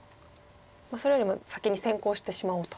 それよりも先に先行してしまおうと。